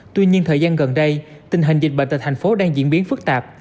tuy nhiên thời gian gần đây tình hình dịch bệnh tại thành phố đang diễn biến phức tạp